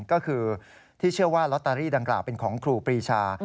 ก็คือที่เชื่อว่าลอตเตอรี่ดังกล่าวเป็นของครูปรีชา